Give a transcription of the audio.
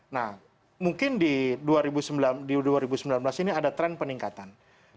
nah mungkin di dua ribu sembilan belas ini ada tren peningkatan